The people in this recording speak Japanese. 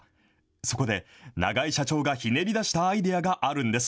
そこで永江社長がひねり出したアイデアがあるんです。